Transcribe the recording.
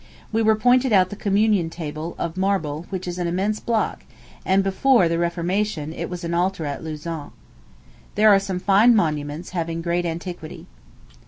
We were pointed out the communion table, of marble, which is an immense block, and before the reformation it was an altar at Lausanne. There are some fine monuments, having great antiquity.